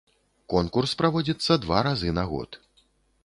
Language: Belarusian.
Конкурс праводзіцца два разы на год.